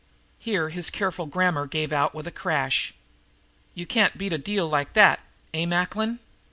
Here his careful grammar gave out with a crash. "You can't beat a deal like that, eh, Macklin?